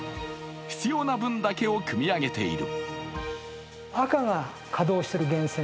必要な分だけをくみ上げている。